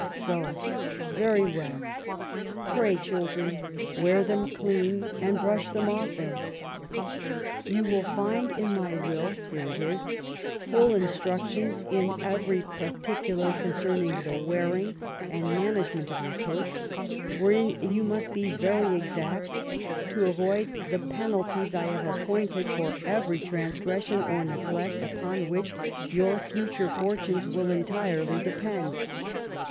So, very well; pray, children, wear them clean, and brush them often. You will find in my will (here it is) full instructions in every particular con cerning the wearing and management of your coats; wherein you must be very exact, to avoid the penalties I have appointed for every transgression or neglect, upon which your future fortunes will entirely depend.